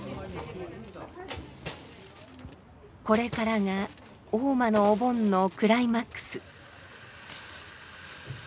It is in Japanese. これからが大間のお盆のクライマックス。